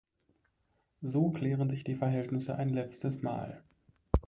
So klären sich die Verhältnisse ein letztes Mal.